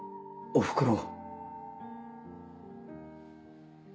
おふくろ。